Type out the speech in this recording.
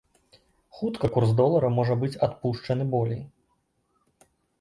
Хутка курс долара можа быць адпушчаны болей.